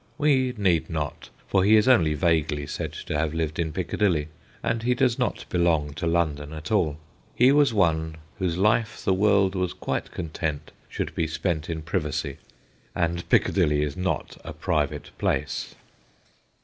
We need not, for he is only vaguely said to have lived in Piccadilly, and he does not belong to London at alL He was one whose life the world was quite content should be spent in privacy, and Piccadilly is not a private place.